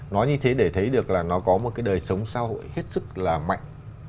nói như thế để thấy được là nó có một cái đời sống xã hội hết sức là mạnh